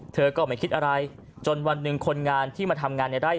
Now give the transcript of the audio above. เธอก็ไม่คิดอะไรจนวันหนึ่งคนงานที่มาทำงานในไร่